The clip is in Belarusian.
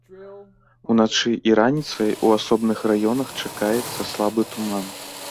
Уначы і раніцай у асобных раёнах чакаецца слабы туман.